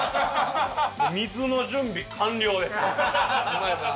水の準備完了です。